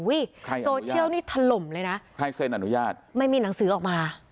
โซเชียลนี่ถล่มเลยนะใครเซ็นอนุญาตไม่มีหนังสือออกมา